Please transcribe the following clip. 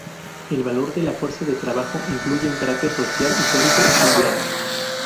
El valor de la fuerza de trabajo incluye un carácter social, histórico y cultural.